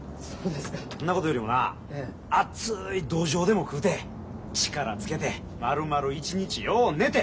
そんなことよりもな熱いどじょうでも食うて力つけてまるまる一日よう寝て。